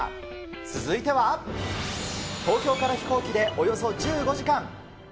続いては、東京から飛行機でおよそ１５時間。